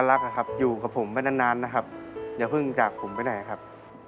ลูกหลากผมไปหน่อยครับ